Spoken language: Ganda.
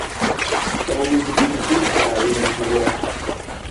Omuzikiti guddaabirizibwa.